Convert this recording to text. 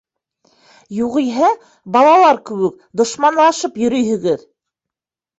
Юғиһә балалар кеүек дошманлашып йөрөйһөгөҙ!